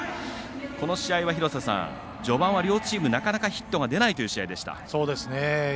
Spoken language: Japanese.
この試合は序盤は両チームなかなかヒットが出ないという試合でした。